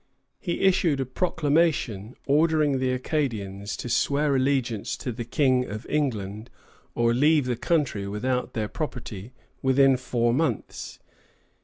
He issued a proclamation ordering the Acadians to swear allegiance to the King of England or leave the country, without their property, within four months.